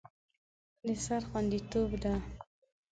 د سر خوندیتوب ده.